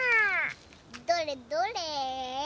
どれどれ？